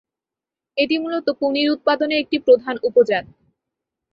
এটি মূলত পনির উৎপাদনের একটি প্রধান উপজাত।